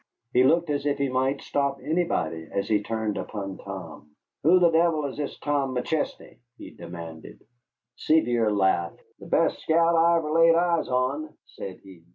He looked as if he might stop anybody as he turned upon Tom. "Who the devil is this Tom McChesney?" he demanded. Sevier laughed. "The best scout I ever laid eyes on," said he.